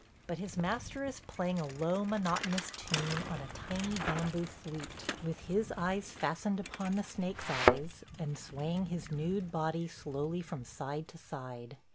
But his master is playing a low, monotonous tune on a tiny bamboo flute, with his eyes fastened upon the snake's eyes, and swaying his nude body slowly from side to side.